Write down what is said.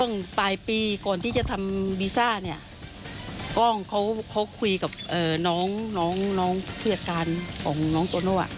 ต้องปลายปีก่อนที่จะทำบีซ่าเนี่ยกล้องเขาคุยกับน้องเพื่อการของน้องตัวโน่